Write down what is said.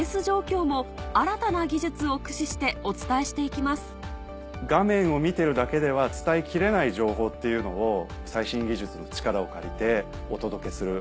さらに画面を見てるだけでは伝えきれない情報っていうのを最新技術の力を借りてお届けする。